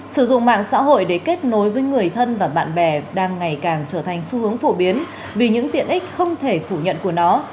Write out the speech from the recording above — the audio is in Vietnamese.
sử dụng mạng xã hội để kết nối với người thân và bạn bè đang ngày càng trở thành xu hướng phổ biến vì những tiện ích không thể phủ nhận của nó